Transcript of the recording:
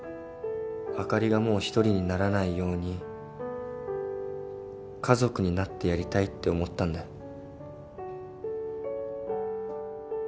あかりがもう独りにならないように家族になってやりたいって思ったんだよ。